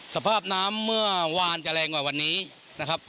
สภาพน้ำเมื่อวานจะแรงกว่าวันนี้นะครับ